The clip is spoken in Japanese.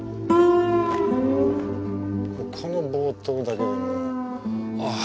この冒頭だけでもうああ。